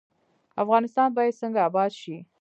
افغانستان باید څنګه اباد شي؟